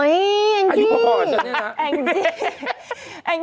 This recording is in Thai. อายุพอพอเหรอฉันเนี่ยนะ